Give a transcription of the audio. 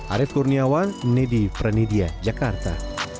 arief kurniawan nedi prenidya jakarta